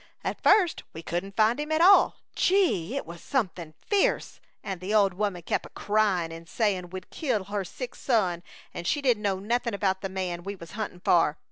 At first we couldn't find him at all. Gee! It was something fierce! And the old woman kep' a crying and saying we'd kill her sick son, and she didn't know nothing about the man we was hunting for.